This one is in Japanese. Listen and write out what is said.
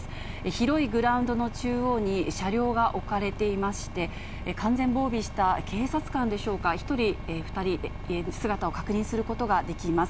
広いグラウンドの中央に車両が置かれていまして、完全防備した警察官でしょうか、１人、２人、姿を確認することができます。